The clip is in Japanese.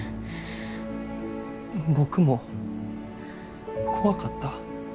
僕も怖かった。